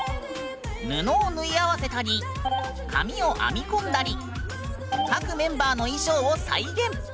布を縫い合わせたり髪を編み込んだり各メンバーの衣装を再現！